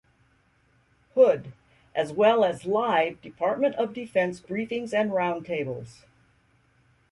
Hood, as well as live Department of Defense briefings and roundtables.